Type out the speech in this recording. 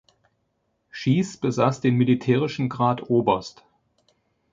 Schiess besass den militärischen Grad Oberst.